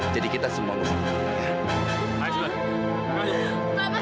jadi kita semua bersama